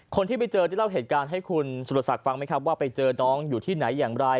คนที่ไปเจอได้เล่าเหตุการณ์ให้คุณสุรศักดิ์ฟังไหมครับว่าไปเจอน้องอยู่ที่ไหนอย่างไร